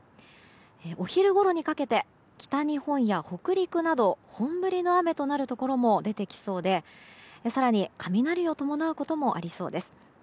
お昼ごろにかけて北日本や北陸など本降りの雨となるところも出てきそうで更に雷を伴うこともありそうです。